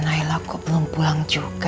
intan sama nailah kok belum pulang juga ya